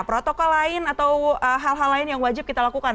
protokol lain atau hal hal lain yang wajib kita lakukan